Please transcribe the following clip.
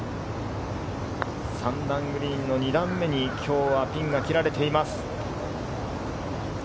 ３段グリーンの２段目に今日はピンが切られています。